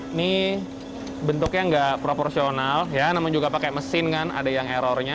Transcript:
ini bentuknya nggak proporsional ya namun juga pakai mesin kan ada yang errornya